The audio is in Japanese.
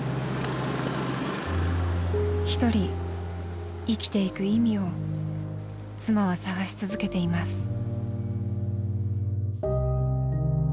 一人生きていく意味を妻は探し続けています。